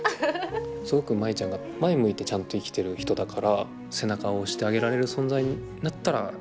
すごく舞ちゃんが前向いてちゃんと生きてる人だから背中を押してあげられる存在になったらいいかなみたいな。